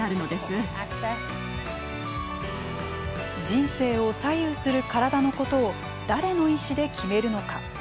人生を左右する体のことを誰の意思で決めるのか。